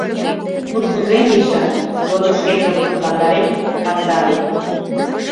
— Ну кузе, Миша? — йодо шкенжым тыпландарен Кандалин.